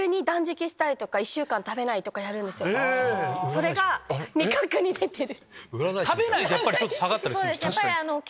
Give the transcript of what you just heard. それが味覚に出てる。